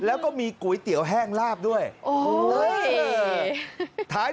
เอามีหยก